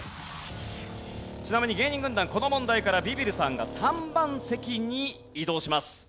ちなみに芸人軍団この問題からビビるさんが３番席に移動します。